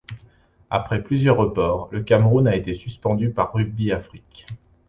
Après plusieurs reports, le Cameroun a été suspendu par Rugby Afrique.